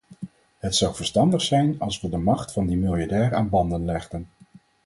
Het zou verstandig zijn als we de macht van die miljardair aan banden legden.